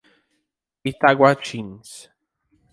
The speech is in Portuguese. Itaguatins